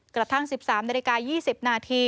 กระทั่ง๑๓นาฬิกา๒๐นาที